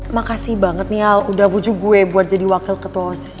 makasih banget nih al udah puju gue buat jadi wakil ketua osis